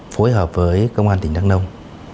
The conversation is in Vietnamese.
phối hợp với công an tỉnh đắk nông